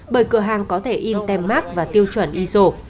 bởi cửa hàng có thể in tem mát và tiêu chuẩn iso